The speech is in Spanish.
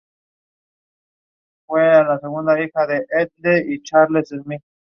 Libremente soluble en agua; ligeramente soluble en alcohol.